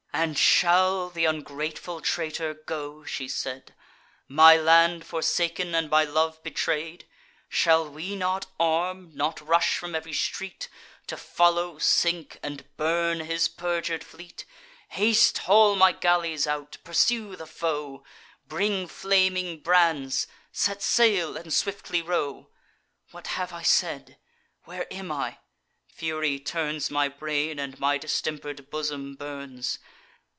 "And shall th' ungrateful traitor go," she said, "My land forsaken, and my love betray'd? Shall we not arm? not rush from ev'ry street, To follow, sink, and burn his perjur'd fleet? Haste, haul my galleys out! pursue the foe! Bring flaming brands! set sail, and swiftly row! What have I said? where am I? Fury turns My brain; and my distemper'd bosom burns.